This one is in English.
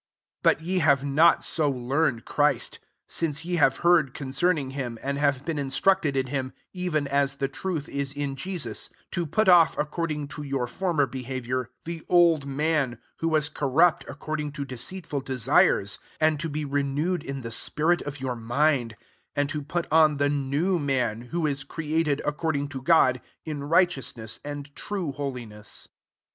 20 But ye have not so learn :d Christ; 21 since ye have leard concerning him, and have >een instructed in him, even as he truth is in Jesus ; 22 to put »ff, according to your fbrm T behaviour, the old man, rho was corrupt according to leceitful desires ; 2S and to be encwed in the spirit of your nind; 24 and to put on the lew man, who is created, ac cording to God, in righteous less and true holiness.